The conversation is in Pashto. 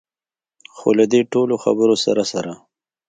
خو له دې ټولو خبرو سره سره.